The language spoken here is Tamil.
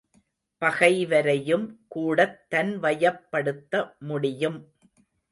பகைவரையும்கூடத் தன்வயப்படுத்த முடியும்.